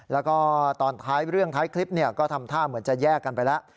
แล้วก็ตอนท้ายเรื่องท้ายคลิปก็ทำท่าเหมือนจะแยกกันไปแล้ว